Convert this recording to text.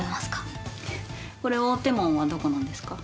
これ大手門はどこなんですか？